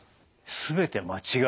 全て間違い。